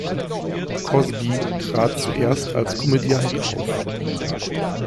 Cosby trat zuerst als Komödiant auf.